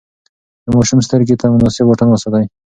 د ماشوم سترګو ته مناسب واټن وساتئ.